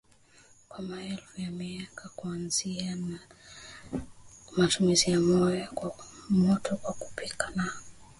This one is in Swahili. kwa maelfu ya miaka kuanzia na matumizi ya moto kwa kupikia na